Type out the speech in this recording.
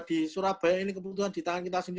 di surabaya ini kebutuhan di tangan kita sendiri